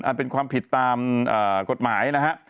เป็นความผิดตามกฎหมายนะฮะ